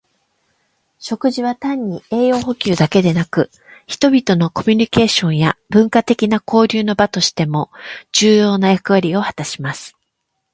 食事は単に栄養補給だけでなく、人々のコミュニケーションや文化的な交流の場としても重要な役割を果たします。